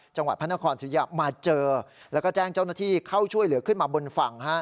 จังหวัดพระนครศิริยามาเจอแล้วก็แจ้งเจ้าหน้าที่เข้าช่วยเหลือขึ้นมาบนฝั่ง